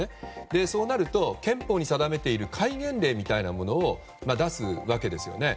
そうなると、憲法に定めている戒厳令みたいなものを出すわけですね。